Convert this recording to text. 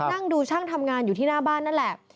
นั่งดูช่างทำงานอยู่ที่หน้าบ้านนั่นแหละ